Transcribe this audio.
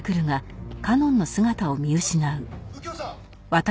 右京さん！